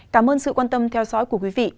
cảm ơn sự quan tâm theo dõi của quý vị